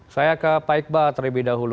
saya ke pak iqbal terlebih dahulu